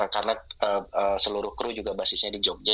karena seluruh kru juga basisnya di jogja